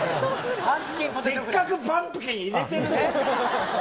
せっかくパンプキンを入れてるのに。